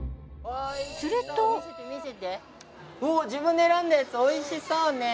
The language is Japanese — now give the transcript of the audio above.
おお自分で選んだやつおいしそうね